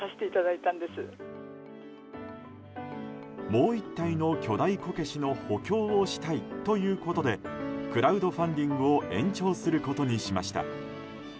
もう１体の巨大こけしの補強をしたいということでクラウドファンディングを延長することにしました。